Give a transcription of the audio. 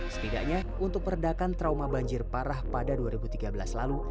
setidaknya untuk peredakan trauma banjir parah pada dua ribu tiga belas lalu